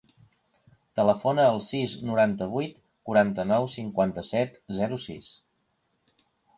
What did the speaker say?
Telefona al sis, noranta-vuit, quaranta-nou, cinquanta-set, zero, sis.